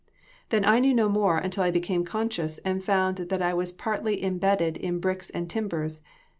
Then I knew no more until I became conscious, and found that I was partially imbedded in bricks and timbers.